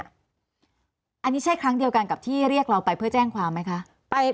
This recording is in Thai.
อันนี้ใช่ครั้งเดียวกันกับที่เรียกเราไปเพื่อแจ้งความไหมคะ